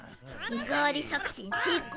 身代わり作戦成功。